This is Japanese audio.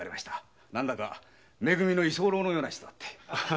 「何だかめ組の居候のような人」だって。